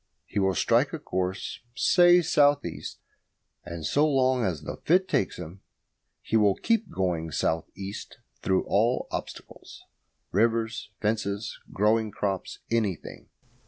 He will strike a course, say, south east, and so long as the fit takes him he will keep going south east through all obstacles rivers, fences, growing crops, anything.